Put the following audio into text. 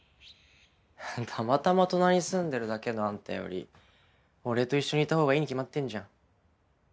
たまたま隣に住んでるだけのあんたより俺と一緒にいたほうがいいに決まってんじゃん。